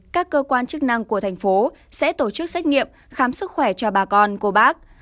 các cơ quan chức năng của thành phố sẽ tổ chức xét nghiệm khám sức khỏe cho bà con cô bác